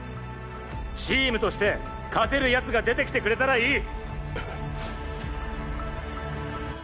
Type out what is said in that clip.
チームとして勝てる奴が出てきてくれたらいい。